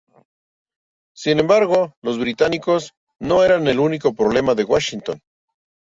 Sin embargo, los británicos no eran el único problema de Washington.